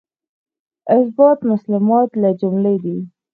اثبات مسلمات له جملې دی.